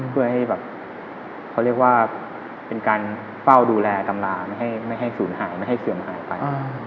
เพื่อให้เป็นการเป้าดูแลตำราไม่ให้สูญหายไม่ให้เสื่อมหายไป